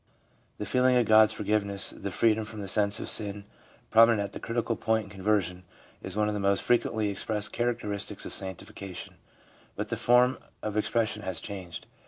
The feeling of God's forgiveness, the freedom from the sense of sin, prominent at the critical point in con version, is one of the most frequently expressed char acteristics of sanctification ; but the form of expression has changed.